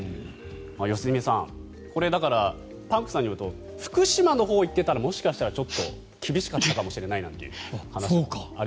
良純さんこれ、パンクさんによると福島のほうに行っていったらもしかしたら厳しかったかもしれないという。